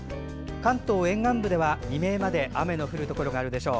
関東沿岸部では未明まで雨の降るところがあるでしょう。